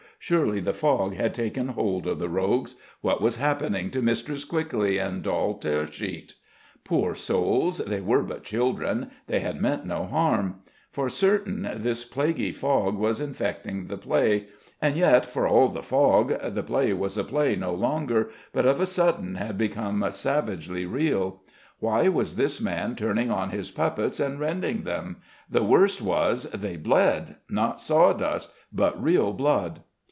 Surely the fog had taken hold of the rogues! What was happening to Mistress Quickly and Doll Tearsheet? Poor souls, they were but children: they had meant no harm. For certain this plaguy fog was infecting the play; and yet, for all the fog, the play was a play no longer, but of a sudden had become savagely real. Why was this man turning on his puppets and rending them? The worst was, they bled not sawdust, but real blood.